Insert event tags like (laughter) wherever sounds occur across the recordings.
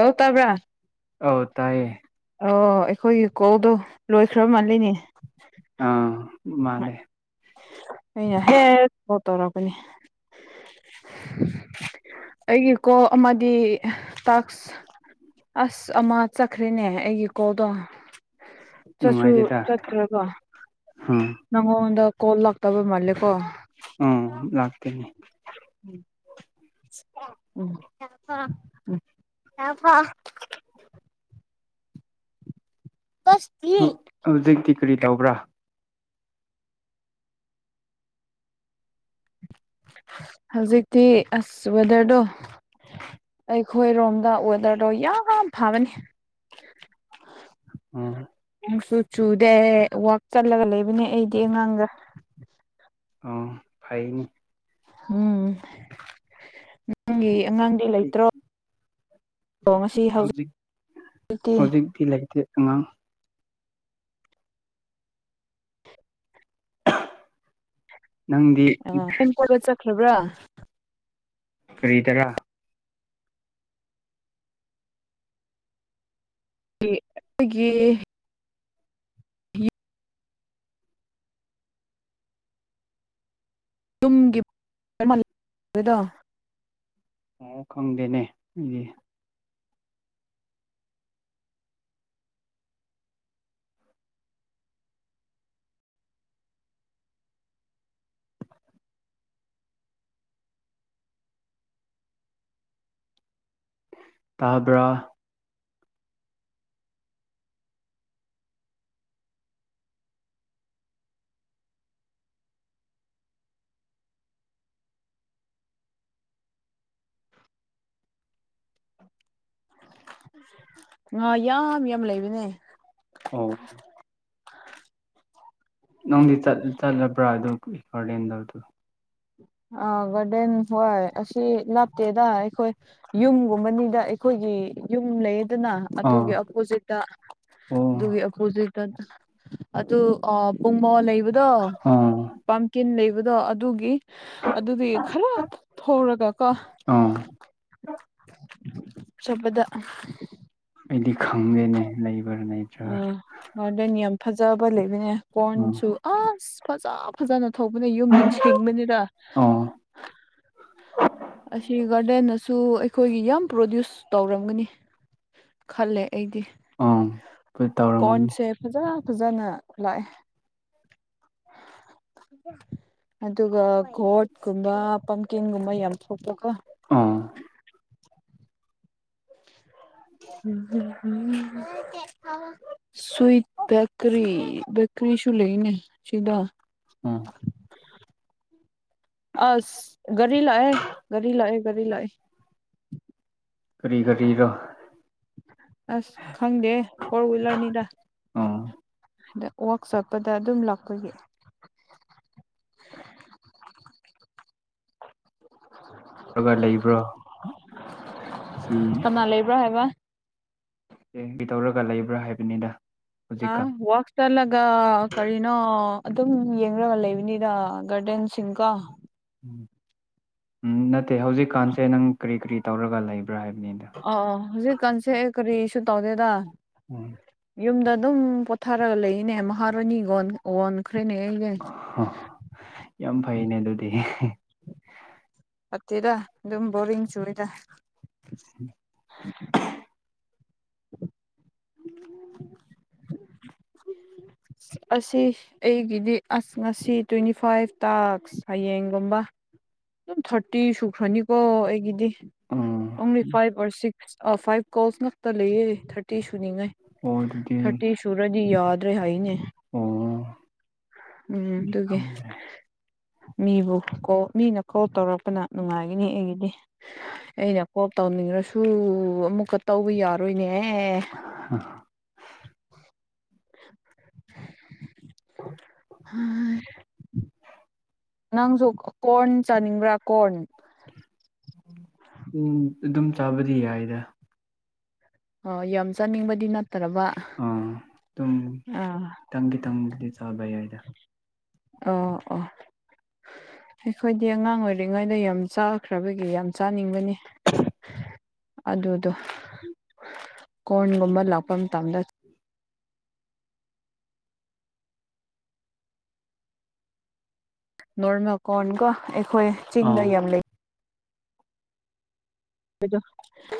ꯍꯣ ꯇꯕ꯭ꯔ ꯑꯣ ꯇꯥꯏꯌꯦ ꯑꯣ ꯑꯩꯈꯣꯏꯒꯤ ꯀꯧꯗꯣ ꯂꯣꯏꯈ꯭ꯔ ꯃꯥꯜꯂꯤꯅꯦ꯫ ꯎꯝ ꯃꯥꯜꯂꯦ ꯑꯩꯅ ꯍꯦ ꯀꯣꯜ ꯇꯧꯔꯛꯄꯅꯤ ꯑꯩꯒꯤ ꯀꯣ ꯑꯃꯗꯤ ꯇꯥꯛꯁ ꯑꯁ ꯑꯃ ꯆꯠꯈ꯭ꯔꯦꯅꯦ ꯑꯩꯒꯤ ꯀꯣꯜꯗꯣ꯫ ꯆꯠꯁꯨ ꯅꯨꯡꯉꯥꯏꯇꯦꯗ ꯆꯠꯇ꯭ꯔꯒ꯫ ꯎꯝ ꯅꯪꯉꯣꯗ ꯀꯣꯜ ꯂꯥꯛꯇꯕ ꯃꯥꯜꯂꯦꯀꯣ꯫ ꯎꯝ ꯂꯥꯛꯇꯦꯅꯤ ꯎꯝ ꯀꯁ ꯍꯧꯖꯤꯛꯇꯤ ꯀꯔꯤ ꯇꯧꯕ꯭ꯔꯥ꯫ ꯍꯧꯖꯤꯛꯇꯤ ꯑꯁ ꯋꯦꯗꯔꯗꯣ꯫ ꯑꯩꯈꯣꯏꯔꯣꯝꯗ ꯋꯦꯗꯔꯗꯣ ꯌꯥꯝ ꯐꯕꯅꯤ꯫ ꯎꯝ ꯅꯣꯡꯁꯨ ꯆꯨꯗꯦ ꯋꯥꯛ ꯆꯠꯂꯒ ꯂꯩꯕꯅꯦ ꯑꯩꯗꯤ ꯑꯉꯥꯡꯒ ꯎꯝ ꯐꯥꯏꯅꯤ꯫ ꯎꯝ꯫ ꯅꯪꯒꯤ ꯑꯉꯥꯡꯗꯤ ꯂꯩꯇ꯭ꯔꯣ ꯑꯗꯣ ꯉꯁꯤ ꯍꯧꯖꯤꯛ ꯍꯧꯖꯤꯛꯇꯤ꯫ ꯐꯤ ꯂꯩꯇꯦ ꯑꯉꯥꯡ ꯅꯪꯗꯤ ꯑ ꯅꯪ ꯀꯣꯏꯕ ꯆꯠꯈ꯭ꯔꯕ꯭ꯔꯥ ꯀꯔꯤꯗꯔꯥ꯫ ꯑꯩꯈꯣꯏꯒꯤ (unintelligible) ꯇꯨꯝꯒꯤꯕꯗꯣ꯫ ꯑ ꯈꯪꯗꯦꯅꯦ ꯎꯝ ꯇꯥꯕ꯭ꯔꯥ ꯉꯥ ꯌꯥꯝ ꯌꯥꯝ ꯂꯩꯕꯅꯦ ꯍꯣꯏ ꯅꯪꯗꯤ ꯆꯠ ꯆꯠꯂꯕ꯭ꯔꯥ ꯑꯗꯨ ꯒꯥꯔꯗꯦꯟꯗꯧꯗꯨ ꯑꯥ ꯒꯥꯔꯗꯦꯟ ꯍꯣꯏ ꯑꯁꯤ ꯂꯥꯞꯇꯦꯗ ꯑꯩꯈꯣꯏ ꯌꯨꯝꯒꯨꯝꯕꯅꯤꯗ ꯑꯩꯈꯣꯏꯒꯤ ꯌꯨꯝ ꯂꯩꯗꯅ ꯑꯥ ꯑꯗꯨꯒꯤ ꯑꯣꯞꯄꯣꯖꯤꯠꯇ ꯑꯣ ꯑꯗꯨꯒꯤ ꯑꯣꯄꯣꯖꯤꯠꯇ ꯑꯗꯨ ꯑꯥ ꯄꯨꯡꯃꯣ ꯂꯩꯕꯗꯣ ꯑꯥ ꯄꯝꯀꯤꯟ ꯂꯩꯕꯗꯣ ꯑꯗꯨꯒꯤ ꯑꯗꯨꯗꯤ ꯈꯔ ꯊꯧꯔꯒ ꯀꯣ ꯑꯥ (unintelligible) ꯕꯗ ꯑꯩꯗꯤ ꯈꯪꯗꯦꯅꯦ ꯂꯩꯕ꯭ꯔꯥ ꯂꯩꯇ꯭ꯔ ꯃꯥꯔꯗꯟ ꯌꯥꯝ ꯐꯖꯕ ꯂꯩꯕꯅꯦ ꯎꯝ ꯀꯔꯣꯟꯁꯨ ꯑꯁ ꯐꯖꯕ ꯐꯖꯅ ꯊꯧꯕꯅ ꯌꯨꯝ ꯅꯤꯡꯁꯤꯡꯕꯅꯤꯅ ꯑꯣ ꯑꯁꯤ ꯒꯥꯔꯗꯦꯟꯅꯁꯨ ꯑꯩꯈꯣꯏꯒꯤ ꯌꯥꯝ ꯄ꯭ꯔꯣꯗ꯭ꯌꯨꯁ ꯇꯧꯔꯝꯒꯅꯤ ꯈꯜꯂꯦ ꯑꯩꯗꯤ ꯑꯪ ꯍꯣꯏ ꯇꯧꯔꯝꯒꯅꯤ ꯀꯣꯔꯟꯁꯦ ꯐꯖ ꯐꯖꯅ ꯂꯥꯛꯑꯦ ꯑꯗꯨꯒ ꯀꯣꯠꯀꯨꯝꯕ ꯄꯝꯀꯤꯟꯒꯨꯝꯕ ꯌꯥꯝ ꯊꯣꯛꯄꯀꯣ ꯑꯥ (unintelligible) ꯁ꯭ꯋꯏꯠ ꯕꯦꯛꯀꯔꯤ ꯕꯦꯛꯀꯔꯤꯁꯨ ꯂꯩꯏꯅꯦ ꯁꯤꯗꯥ ꯑꯥ ꯑꯁ ꯒꯥꯔꯤ ꯂꯥꯛꯑꯦ ꯒꯥꯔꯤ ꯂꯥꯛꯑꯦ ꯒꯥꯔꯤ ꯂꯥꯛꯑꯦ ꯀꯔꯤ ꯀꯔꯤꯔꯥꯥ ꯑꯁ ꯈꯪꯗꯦ ꯐꯣꯔ ꯋꯤꯂꯔꯅꯤꯗ ꯑꯣ ꯑꯗ ꯋꯥꯛ ꯁꯣꯞꯄꯗ ꯑꯗꯨꯝ ꯂꯥꯛꯄꯒꯤ (unintelligible) ꯂꯩꯕ꯭ꯔꯣ ꯁꯤ ꯅ ꯂꯩꯕ꯭ꯔꯥ ꯍꯥꯏꯕ (unintelligible) ꯇꯧꯔꯒ ꯂꯩꯕ꯭ꯔꯥ ꯍꯥꯏꯕꯅꯤꯗ ꯑ ꯍꯧꯖꯤꯛꯀꯥꯟ ꯋꯥꯛ ꯆꯠꯂꯒ ꯀꯔꯤꯅꯣ ꯑꯗꯨꯝ ꯌꯦꯡꯔꯥꯥꯒ ꯂꯩꯕꯅꯤꯗ ꯒꯥꯔꯗꯦꯟꯁꯤꯡꯀꯣ ꯎꯝ ꯅꯠꯇꯦ ꯍꯧꯖꯤꯛꯀꯥꯟꯁꯦ ꯅꯪ ꯀꯔꯤ ꯀꯔꯤ ꯇꯧꯔꯒ ꯂꯩꯕ꯭ꯔꯥ ꯍꯥꯏꯕꯅꯤꯗ ꯑ ꯑ ꯍꯧꯖꯤꯛꯀꯥꯟꯁꯦ ꯀꯔꯤꯁꯨ ꯇꯧꯗꯦꯗ (inaudible) ꯌꯨꯝꯗ ꯑꯗꯨꯝ ꯄꯣꯊꯥꯔꯒ ꯂꯩꯅꯦ ꯃꯍꯥꯔꯥꯅꯤꯟ ꯑꯣꯟ ꯑꯣꯟꯈ꯭ꯔꯦꯅꯦ ꯑꯩꯁꯦ ꯑꯥ ꯌꯥꯝ ꯐꯩꯅꯦ ꯑꯗꯨꯗꯤ ꯐꯠꯇꯦꯗꯥ ꯑꯗꯨꯝ ꯕꯣꯔꯤꯡ ꯆꯨꯔꯦꯗ (inaudible) ꯑꯁꯤ ꯑꯩꯒꯤꯗꯤ ꯑꯁ ꯉꯁꯤ ꯇ꯭ꯋꯦꯟꯇꯤ ꯐꯥꯏꯚ ꯇꯥꯛꯁ ꯍꯌꯦꯡꯒꯨꯝꯕ ꯑꯗꯨꯝ ꯊꯥꯔꯇꯤ ꯁꯨꯈ꯭ꯔꯅꯤꯀꯣ ꯑꯩꯒꯤꯗꯤ ꯎꯝ ꯑꯣꯡꯂꯤ five or six five calls ꯉꯛꯇ ꯂꯩꯌꯦ ꯊꯥꯔꯇꯤ ꯁꯨꯅꯤꯡꯉꯥꯏ ꯑꯣ ꯑꯗꯨꯗꯤ ꯊꯨꯔꯗꯤ ꯌꯥꯗꯔꯦ ꯍꯥꯏꯅꯦ ꯑꯣ ꯎꯝ ꯗꯨꯒꯤ ꯈꯪꯗ꯭ꯔꯦ ꯃꯤꯕꯨ ꯀꯣ ꯃꯤꯅ ꯀꯣꯜ ꯇꯧꯔꯛ ꯄꯅ ꯅꯨꯡꯉꯥꯏꯒꯅꯤ ꯑꯩꯒꯤꯗꯤ ꯑꯩꯅ ꯀꯣꯞ ꯇꯧꯅꯤꯡꯔꯁꯨ ꯑꯃꯨꯛꯀ ꯇꯧꯕ ꯌꯥꯔꯣꯏꯅꯦ ꯑꯦ (unintelligible) ꯍꯥꯏ ꯅꯪꯖꯨ ꯀꯣꯔꯟ ꯆꯥꯅꯤꯡꯕ꯭ꯔꯥ ꯀꯣꯔꯟ ꯎꯝ ꯑꯗꯨꯝ ꯆꯥꯕꯗꯤ ꯌꯥꯏꯗ ꯑꯣ ꯌꯥꯝ ꯆꯥꯅꯤꯡꯕꯗꯤ ꯅꯠꯇ꯭ꯔꯕ ꯑꯥ ꯑꯗꯨꯨꯝ ꯑꯥ ꯈꯤꯇꯪ ꯈꯤꯇꯪꯕꯨꯗꯤ ꯆꯥꯕ ꯌꯥꯏꯗ ꯑꯥ ꯑꯥ ꯑꯩꯈꯣꯏꯗꯤ ꯑꯉꯥꯡ ꯑꯣꯏꯔꯤꯉꯩꯗ ꯌꯥꯝ ꯆꯥꯈ꯭ꯔꯕꯒꯤ ꯌꯥꯝ ꯆꯥꯅꯤꯡꯕꯅꯤ ꯑꯗꯨꯗꯣ ꯀꯣꯔꯟꯒꯨꯝꯕ ꯂꯥꯛꯄ ꯃꯇꯝꯗ ꯅꯣꯔꯃꯦꯜ ꯀꯣꯔꯟꯀꯣ ꯑꯩꯈꯣꯏ ꯆꯤꯡꯗ ꯑꯥ ꯌꯥꯝ ꯂꯩ ꯕꯗꯣ (unintelligible)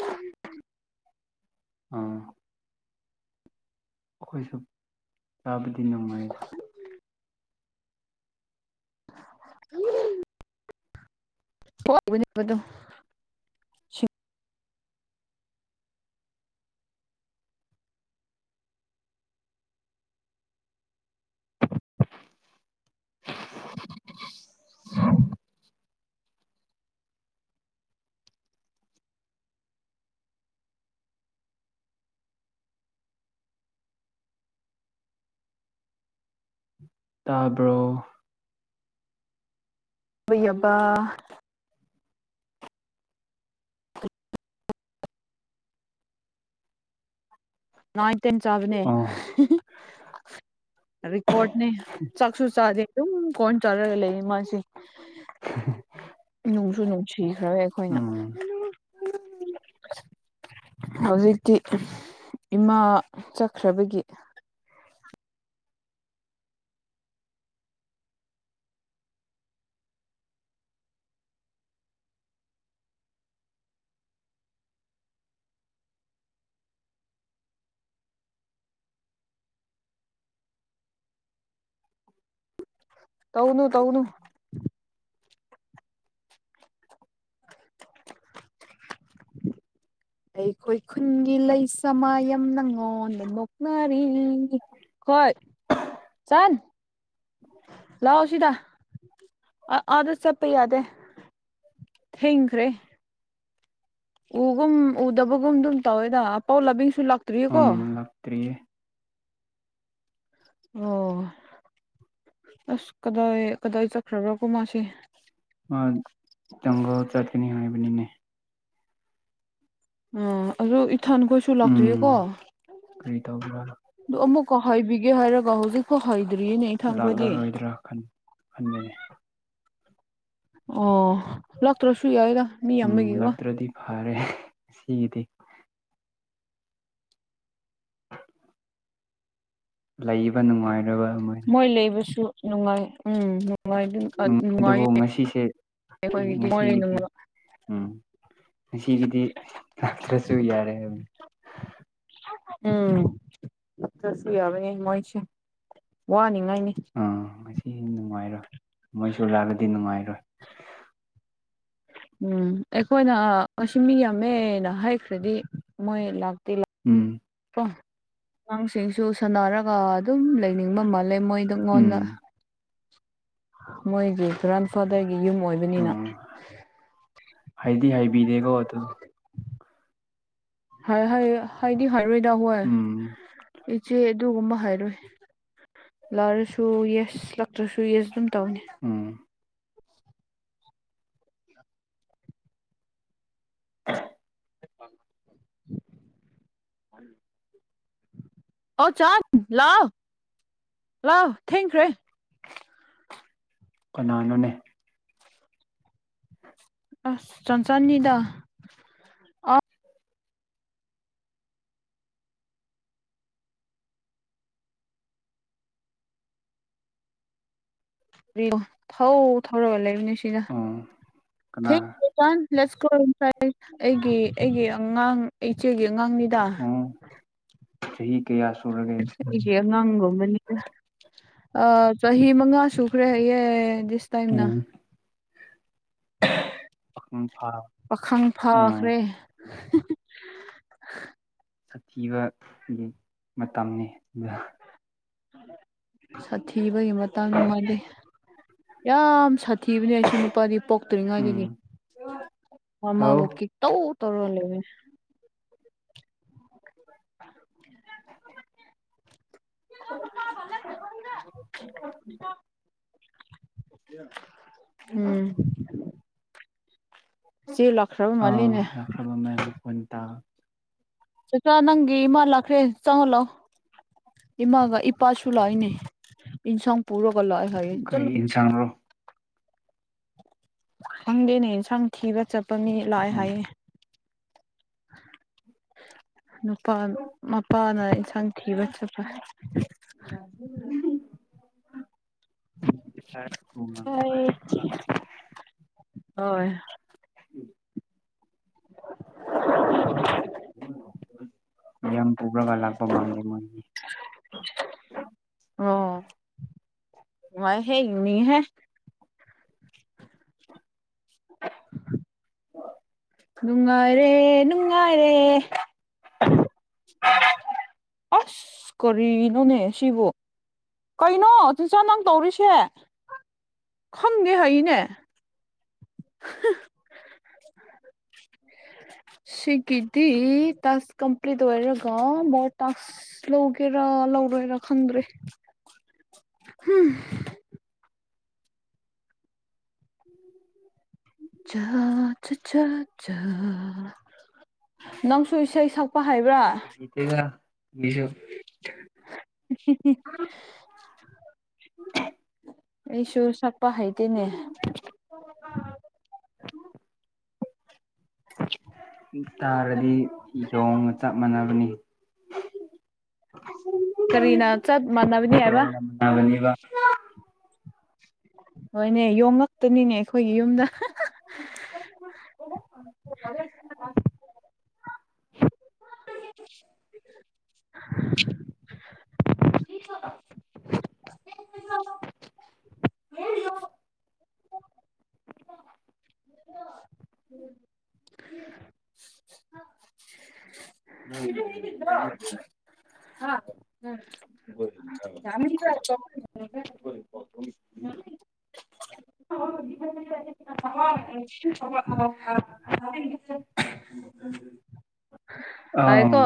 ꯑꯥ ꯑꯩꯈꯣꯏꯁꯨ ꯆꯥꯕꯗꯤ ꯅꯨꯡꯉꯥꯏꯗ (unintelligible) (unintelligible) ꯁꯤꯡꯕ ꯇꯥꯕ꯭ꯔꯣ (unintelligible) ꯌꯝꯕ ꯅꯥꯏꯟ ꯇꯦꯟ ꯆꯥꯕꯅꯦ ꯑꯣ ꯑ ꯔꯦꯀꯣꯔꯠꯅꯦ ꯆꯥꯛꯁꯨ ꯆꯥꯗꯦ ꯑꯗꯨꯝ ꯀꯣꯔꯟ ꯆꯥꯔꯒ ꯂꯩꯌ‌ꯦ ꯃꯥꯁꯤ ꯅꯨꯡꯁꯨ ꯅꯨꯡꯁꯤꯈꯔꯦ ꯑꯩꯈꯣꯏꯅ ꯎꯝ (unintelligible) ꯍꯧꯖꯤꯛꯇꯤ ꯏꯃꯥ ꯆꯠꯈ꯭ꯔꯕꯒꯤ ꯇꯧꯅꯨ ꯇꯧꯅꯨ (unintelligible) ꯑꯩꯈꯣꯏ ꯈꯨꯟꯒꯤ ꯂꯩꯁꯥ ꯃꯌꯥꯝ ꯅꯉꯣꯟꯗ ꯅꯣꯛꯅꯔꯤ ꯈꯣꯏ ꯆꯟ ꯂꯥꯎ ꯁꯤꯗ ꯑ ꯑꯥꯗ ꯆꯠꯄ ꯌꯥꯗꯦ ꯊꯦꯡꯈ꯭ꯔꯦ ꯎꯒꯨꯝ ꯎꯗꯕꯒꯨꯝ ꯑꯗꯨꯝ ꯇꯧꯋꯦꯗ ꯑꯄꯥꯎ ꯂꯕꯤꯡꯁꯨ ꯂꯥꯛ ꯎꯝ ꯂꯥꯛꯇ꯭ꯔꯤ ꯑꯣ ꯑꯁ ꯀꯗꯥꯏ ꯀꯗꯥꯏ ꯆꯠꯈ꯭ꯔꯕꯔ ꯈ‌ꯣꯏ ꯃꯥꯁꯤ ꯃꯥ ꯖꯪꯒꯜ ꯆꯠꯀꯅꯤ ꯍꯥꯏꯕꯅꯤꯅꯦ ꯑꯥ ꯑꯕ‌ꯣꯛ ꯏꯊꯟꯈꯣꯏꯁꯨ ꯂꯥꯛꯇ꯭ꯔꯤꯌꯦꯀꯣ ꯎꯝ ꯀꯔꯤ ꯇꯧꯕ꯭ꯔꯥ ꯑꯗꯨ ꯑꯃꯨꯛꯀ ꯍꯥꯏꯕꯤꯒꯦ ꯍꯥꯏꯔꯒ ꯍꯧꯖꯤꯛꯐꯥꯎ ꯍꯗ꯭ꯔꯤꯌꯦꯅꯦ ꯏꯊꯟ ꯈꯣꯏꯗꯤ ꯔꯥ ꯈꯟ ꯈꯟꯒꯅꯤ ꯑꯣ ꯂꯥꯛꯇ꯭ꯔꯁꯨ ꯌꯥꯎꯗ ꯎꯝ ꯂꯥꯛꯇ꯭ꯔꯗꯤ ꯐꯔꯦ ꯁꯤꯗꯤ ꯂꯩꯕ ꯅꯨꯡꯉꯥꯏꯔꯔꯣꯏ ꯑꯃ ꯃꯣꯏ ꯂꯩꯕꯁꯨ ꯅꯨꯡꯉꯥꯏ ꯎꯝ ꯅꯨꯡꯉꯥꯏ (unintelligible) ꯑꯗꯨꯕꯨ ꯅꯨꯡꯉꯥꯏꯌꯦ ꯉꯁꯤꯁꯦ ꯑꯩꯈꯣꯏꯒꯤꯗꯤ ꯃꯣꯏ ꯉꯁꯤꯒꯤꯗꯤ ꯎꯝ ꯉꯁꯤꯒꯤꯗꯤ ꯂꯥꯛꯇ꯭ꯔꯁꯨ ꯌꯥꯔꯦ ꯍꯥꯏꯕꯅꯤ ꯎꯝ ꯂꯥꯛꯇ꯭ꯔꯁꯨ ꯌꯥꯕꯅꯦ ꯃꯣꯏꯁꯦ ꯋꯥꯅꯤꯉꯥꯏꯅꯤ ꯑꯥ ꯉꯁꯤ ꯅꯨꯡꯉꯥꯏꯔꯣꯏ ꯃꯣꯏꯁꯨ ꯂꯥꯛꯂꯗꯤ ꯅꯨꯡꯉꯥꯏꯔꯣꯏ ꯎꯝ ꯑꯩꯈꯣꯏꯅ ꯉꯁꯤ ꯃꯤ ꯌꯥꯝꯃꯦꯅ ꯍꯥꯏꯈ꯭ꯔꯗꯤ ꯃꯣꯏ ꯂꯥꯛꯇꯤ ꯂꯥꯛ ꯎꯝ ꯀꯣ ꯑꯉꯥꯡꯁꯤꯡꯁꯨ ꯁꯥꯟꯅꯔꯒ ꯑꯗꯨꯝ ꯂꯩꯅꯤꯡꯕ ꯃꯥꯜꯂꯦ ꯃꯣꯏꯗꯨ ꯎꯝ ꯑꯩꯉꯣꯟꯗ ꯃꯣꯏꯒꯤ ꯒ꯭ꯔꯥꯟꯐꯥꯗꯔꯒꯤ ꯌꯨꯝ ꯑꯣꯏ ꯎꯝ ꯍꯥꯏꯗꯤ ꯍꯥꯏꯕꯤꯗꯦꯀꯣ ꯑꯗꯨ ꯍꯥꯏ ꯍꯥꯏ ꯍꯥꯏꯗꯤ ꯍꯥꯏꯔꯣꯏꯗ ꯃꫭꯏ ꯎꯝ ꯏꯆꯦ ꯑꯗꯨꯒꯨꯝꯕ ꯍꯥꯏꯔꯣꯏ ꯂꯥꯛꯑꯔꯁꯨ ꯌꯦꯁ ꯂꯛꯇ꯭ꯔꯁꯨ ꯌꯦꯁ ꯑꯗꯨꯝ ꯇꯧꯅꯤ ꯎꯝ (unintelligible) (unintelligible) ꯑꯣ ꯆꯥꯟ ꯂꯥꯛꯑꯣ ꯂꯥꯛꯑꯣ ꯊꯦꯡꯈ꯭ꯔꯦ ꯀꯅꯥꯅꯣꯅꯦ ꯑꯁ ꯆꯟꯆꯟꯅꯤꯗ (unintelligible) ꯊꯧ ꯊꯧꯔꯒ ꯂꯩꯕꯅꯦ ꯁꯤꯗ ꯎꯝ ꯀꯅꯥ (unintelligible) ꯑꯩꯒꯤ ꯑꯩꯒꯤ ꯑꯉꯥꯡ ꯏꯆꯦꯒꯤ ꯑꯉꯥꯡꯅꯤꯗ ꯎꯝ ꯆꯍꯤ ꯀꯌꯥ ꯁꯨꯔꯒꯦ ꯑꯩꯒꯤ ꯑꯉꯥꯡꯒꯨꯝꯕꯅꯤꯗ ꯑꯥ ꯆꯍꯤ ꯃꯉꯥ ꯁꯨꯈ꯭ꯔꯦ ꯍꯥꯏꯌꯦ ꯗꯤꯁ ꯇꯥꯏꯝꯅ ꯎꯝ ꯏꯝꯐꯥꯜ ꯄꯥꯈꯪ ꯐꯥꯈ꯭ꯔꯦ ꯁꯥꯊꯤꯕꯒꯤ ꯃꯇꯝꯅꯤ ꯑꯗꯨ ꯁꯥꯊꯤꯕꯒꯤ ꯃꯇꯥꯡꯅꯤ ꯃꯣꯏꯗꯤ ꯌꯥꯝ ꯁꯥꯊꯤꯕꯅꯦ ꯑꯩꯁꯤ ꯅꯨꯄꯥꯗꯤ ꯎꯝ ꯄꯣꯛꯇ꯭ꯔꯤꯉꯥꯏꯗꯒꯤ ꯍꯥꯎ ꯑꯃꯕꯨ ꯈꯤꯠꯇꯧ ꯇꯧꯔ ꯂꯩꯕꯅꯦ (unintelligible) (unintelligible) ꯎꯝ ꯆꯦꯟ ꯂꯥꯛꯈ꯭ꯔꯕ ꯃꯥꯜꯂꯤꯅꯦ ꯈꯕ ꯃꯌꯥꯝꯗ ꯐꯣꯟ ꯇꯥ (unintelligible) ꯆꯆꯥ ꯅꯪꯒꯤ ꯏꯃꯥ ꯂꯥꯛꯈ꯭ꯔꯦ ꯆꯪꯉꯣꯂꯥꯎ ꯏꯃꯥꯒ ꯏꯄꯥꯁꯨ ꯂꯥꯛꯏꯅꯦ ꯏꯟꯁꯥꯡ ꯄꯨꯔꯒ ꯂꯥꯛꯑ‌ꯦ ꯀꯩ ꯏꯟꯁꯥꯡꯔꯣ ꯈꯪꯗꯦꯅꯦ ꯑꯦꯟꯁꯥꯡ ꯊꯤꯕ ꯆꯠꯄ ꯃꯤ ꯂꯥꯛꯑꯦ ꯎꯝ ꯍꯥꯏꯌꯦ ꯅꯨꯄꯥ ꯃꯄꯥꯅ ꯏꯟꯁꯥꯡ ꯊꯤꯕ ꯆꯠꯄ (unintelligible) ꯑꯣꯏ ꯑꯣꯏ ꯎꯝ (unintelligible) ꯃꯌꯥꯝ ꯄꯨꯒ꯭ꯔꯒ ꯂꯥꯛꯄ ꯃꯥꯜꯂꯤ ꯃꯣꯏꯗꯤ ꯑꯣ ꯋꯥꯏꯍꯦ ꯌꯨꯅꯤꯡꯉꯤꯍꯦ ꯍ (unintelligible) ꯅꯨꯡꯉꯥꯏꯔꯦ ꯅꯨꯡꯉꯥꯏꯔꯦ ꯑꯁ ꯀꯔꯤꯅꯣꯅꯦ ꯁꯤꯕꯨ ꯀꯩꯅꯣ ꯆꯆꯥ ꯅꯪ ꯇꯧꯔꯤꯁꯦ ꯈꯪꯗꯦ ꯍꯥꯏꯅꯦ (unintelligible) ꯁꯤꯒꯤꯗꯤ ꯇꯥꯛꯁ ꯀꯝꯄ꯭ꯂꯤꯠ ꯑꯣꯏꯔꯒ ꯃꫭꯔ ꯇꯥꯛꯁ ꯑꯁ ꯂꯧꯒꯦꯔꯥ ꯂꯧꯔꯣꯏꯔꯥ ꯈꯪꯗ꯭ꯔꯦ (unintelligible) ꯅꯪꯁꯨ ꯏꯁꯩ ꯁꯛꯄ ꯍꯩꯕ꯭ꯔꯥ ꯍꯩꯇꯦꯗ ꯃꯤꯁꯨ (unintelligible) (unintelligible) ꯑꯩꯁꯨ ꯁꯛꯄ ꯍꯩꯇꯦꯅꯦ ꯇꯥꯔꯗꯤ ꯌꯣꯡꯒ ꯆꯞ ꯃꯥꯟꯅꯕꯅꯤ ꯀꯔꯤꯅ ꯌꫭꯡꯅ ꯆꯠ ꯃꯥꯟꯅꯕꯅꯤ ꯍꯥꯏꯕ ꯐꯕꯅꯦꯕ ꯍꯣꯏꯅꯦ ꯌꯣꯡ ꯉꯛꯇꯅꯤꯅꯦ ꯑꯩꯈꯣꯏꯒꯤ ꯌꯨꯝꯗ (inaudible) (inaudible) (inaudible) (inaudible) (inaudible) (inaudible) (unintelligible) (inaudible) (inaudible) ꯑꯥꯝ ꯇꯥꯏꯀꯣ